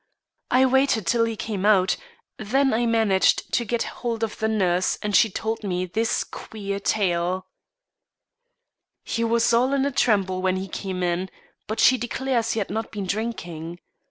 I waited till he came out; then I managed to get hold of the nurse and she told me this queer tale: "He was all in a tremble when he came in, but she declares he had not been drinking.